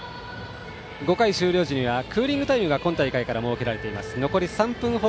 ５回終了時にはクーリングタイムが今大会から設けられています。